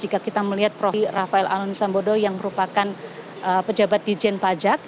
jika kita melihat profil rafael alun trisambodo yang merupakan pejabat di dijan pajak